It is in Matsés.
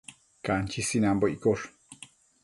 Canchi sinanbo iccosh